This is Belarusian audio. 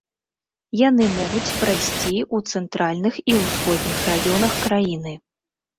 Яны могуць прайсці ў цэнтральных і ўсходніх раёнах краіны.